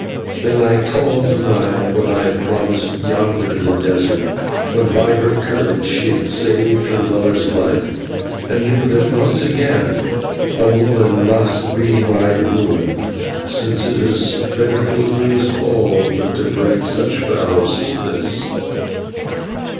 Then I called to mind what I had promised yonder in the desert, when by her courage she had saved her lover's life, and knew that once again a woman must be my ruin, since it is better to lose all than to break such vows as this.